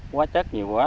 quá chất nhiều quá